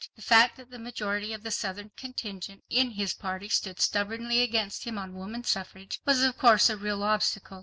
The fact that the majority of the Southern contingent in his party stood stubbornly against him on woman suffrage, was of course a real obstacle.